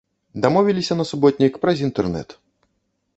Дамовіліся на суботнік праз інтэрнэт.